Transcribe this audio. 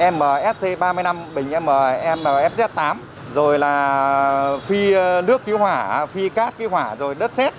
mst ba mươi năm bình mfz tám phi nước cứu hỏa phi cát cứu hỏa đất xét